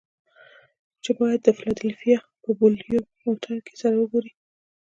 چې بايد د فلادلفيا په بلوويو هوټل کې سره وګوري.